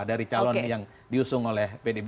dari calon yang diusung oleh pdip